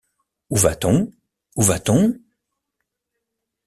Où va-t-on? où va-t-on ?